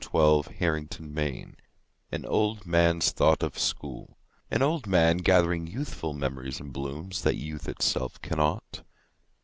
An Old Man's Thought of School AN old man's thought of School; An old man, gathering youthful memories and blooms, that youth itself cannot.